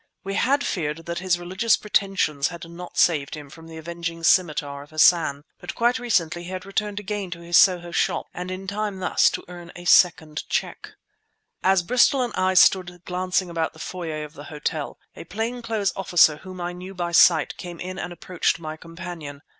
We had feared that his religious pretensions had not saved him from the avenging scimitar of Hassan; but quite recently he had returned again to his Soho shop, and in time thus to earn a second cheque. As Bristol and I stood glancing about the foyer of the hotel, a plain clothes officer whom I knew by sight came in and approached my companion.